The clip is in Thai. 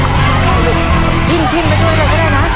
พิมพ์พิมพ์พิมพ์มาช่วยหน่อยก็ได้นะ